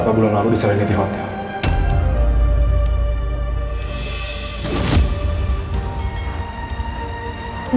beberapa bulan lalu diselain di hotel